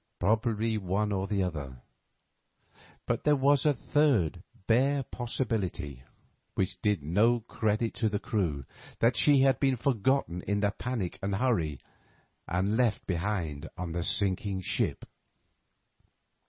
Probably one or the other. But there was a third bare possibility, which did no credit to the crew, that she had been forgotten in the panic and hurry, and left behind on the sinking ship.